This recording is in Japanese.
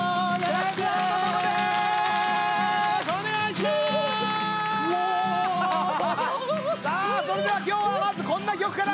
さあそれでは今日はまずこんな曲から聴いてください！